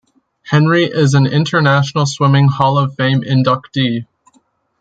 Henry is an International Swimming Hall of Fame inductee.